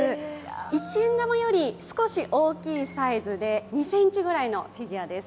一円玉より少し大きいサイズで２ｃｍぐらいのフィギュアです。